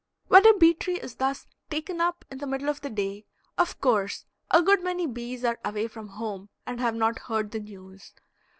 When a bee tree is thus "taken up" in the middle of the day, of course a good many bees are away from home and have not heard the news.